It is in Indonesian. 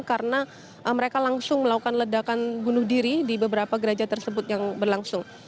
karena mereka langsung melakukan ledakan bunuh diri di beberapa gereja tersebut yang berlangsung